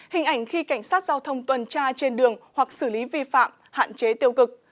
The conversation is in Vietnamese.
hình ảnh khi cảnh sát giao thông tuần tra trên đường hoặc xử lý vi phạm hạn chế tiêu cực